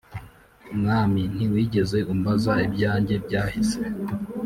mwami ntiwigeze umbaza ibyanjye byahise